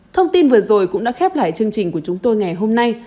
thông tin vừa rồi cũng đã khép lại chương trình của chúng tôi ngày hôm nay